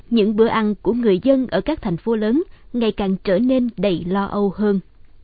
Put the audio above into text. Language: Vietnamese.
những bữa ăn của người dân ở các thành phố lớn ngày càng trở nên đầy lo âu hơn